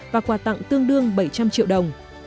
và quà tặng tương đương bảy trăm linh triệu đồng